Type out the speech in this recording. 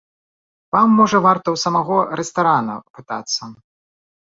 Вам, можа, варта ў самога рэстарана пытацца.